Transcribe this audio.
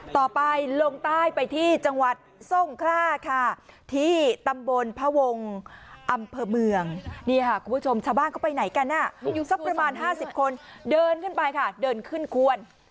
ต่อไปลงใต้ไปที่จังหวัดทรงคล่าค่ะที่ตำบลพระวงศ์อำเภอเมืองนี่ค่ะคุณผู้ชมชาวบ้านเขาไปไหนกันอยู่สักประมาณ๕๐คนเดินขึ้นไปค่ะเดินขึ้นควน